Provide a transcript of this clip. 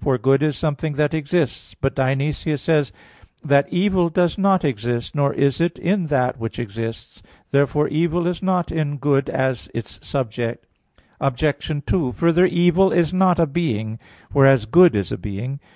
For good is something that exists. But Dionysius says (Div. Nom. iv, 4) that "evil does not exist, nor is it in that which exists." Therefore, evil is not in good as its subject. Obj. 2: Further, evil is not a being; whereas good is a being.